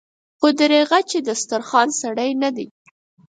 خو دريغه چې د دسترخوان سړی نه دی.